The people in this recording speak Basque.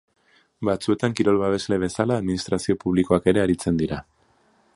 Batzuetan kirol babesle bezala administrazio publikoak ere aritzen dira.